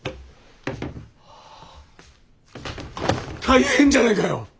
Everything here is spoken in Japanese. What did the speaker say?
大変じゃないかよ！